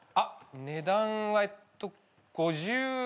値段はえっと５０円。